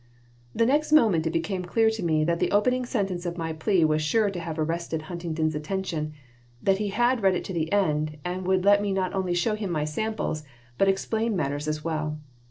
The next moment it became clear to me that the opening sentence of my plea was sure to have arrested Huntington's attention, that he had read it to the end, and would let me not only show him my samples, but explain matters as well.